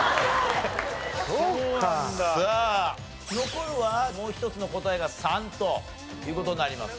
さあ残るはもう一つの答えが３という事になります。